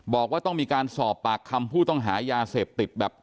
บอกว่าต้องมีการสอบปากคำผู้ต้องหายาเสพติดแบบ